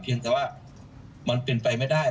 แต่ว่ามันเป็นไปไม่ได้